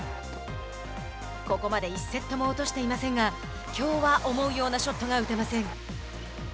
ここまで１セットも落としていませんがきょうは思うようなショットが打てません。